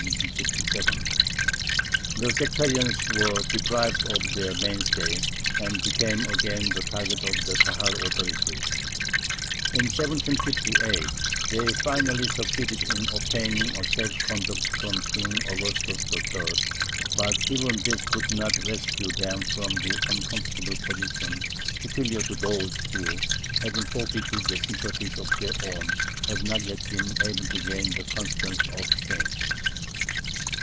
The sectarians were deprived of their mainstay, and became again the target of the Kahal authorities. In 1758 they finally succeeded in obtaining a safe conduct from King Augustus III., but even this could not rescue them from the uncomfortable position peculiar to those who, having forfeited the sympathies of their own, have not yet been able to gain the confidence of strangers.